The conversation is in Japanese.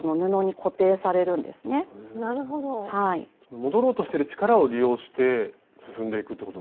戻ろうとしてる力を利用して進んでいくってこと。